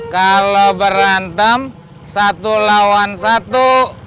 kalau berantem satu lawan satu